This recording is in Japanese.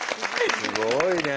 すごいね。